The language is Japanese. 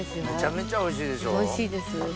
めちゃめちゃおいしいでしょ？